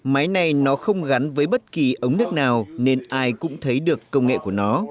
máy này nó không gắn với bất kỳ ống nước nào nên ai cũng thấy được công nghệ của nó